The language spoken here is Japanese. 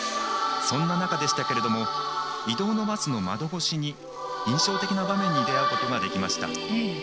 そんな中でしたけれども移動のバスの窓越しに印象的な場面に出会うことができました。